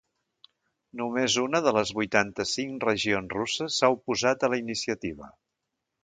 Només una de les vuitanta-cinc regions russes s’ha oposat a la iniciativa.